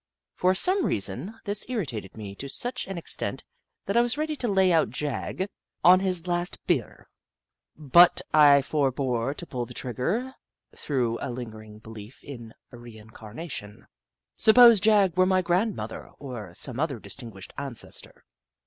For some reason, this irritated me to such an eji tent that I was ready to lay out Jagg on his 42 The Book of Clever Beasts last bier, but I forebore to pull the trigger through a lingering belief in re incarnation. Suppose Jagg were my grandmother, or some other distinguished ancestor